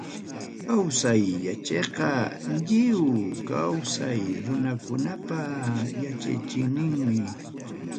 Kawsay yachayqa lliw kawsaq runakunapa yachachiyninmi.